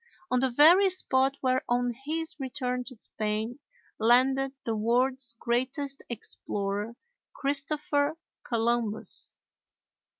on the very spot where on his return to Spain landed the world's greatest explorer Christopher Columbus.